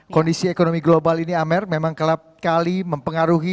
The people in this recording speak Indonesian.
kondisi ekonomi global ini amer memang kerap kali mempengaruhi